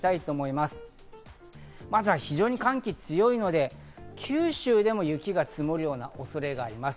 まずは非常に寒気が強いので、九州でも雪が積もるようなおそれがあります。